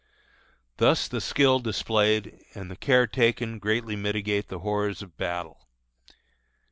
Thus the skill displayed and the care taken greatly mitigate the horrors of battle.